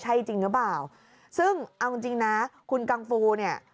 ใช่จริงหรือเปล่าซึ่งเอาจริงจริงนะคุณกังฟูเนี่ย